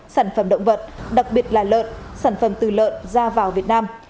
sản phẩm động vật đặc biệt là lợn sản phẩm từ lợn ra vào việt nam